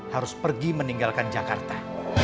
harus pergi meninggalkan jakarta